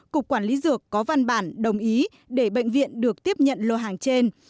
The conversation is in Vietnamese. cục quản lý dược có văn bản đồng ý để bệnh viện được tiếp nhận lô hàng trên